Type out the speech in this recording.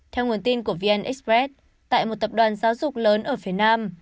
theo nguồn tin của vn express tại một tập đoàn giáo dục lớn ở phía nam